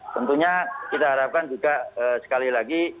tentunya kita harapkan juga sekali lagi